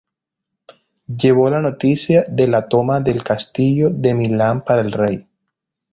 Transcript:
Llevó la noticia de la toma del Castillo de Milán para el Rey.